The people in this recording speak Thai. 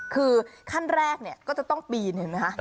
คือขั้นแรกเนี่ยก็จะต้องปีนเห็นไหมคะ